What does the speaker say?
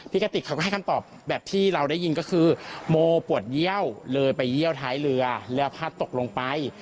กติกเขาก็ให้คำตอบแบบที่เราได้ยินก็คือโมปวดเยี่ยวเลยไปเยี่ยวท้ายเรือแล้วพัดตกลงไป